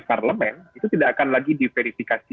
parlemen itu tidak akan lagi diverifikasi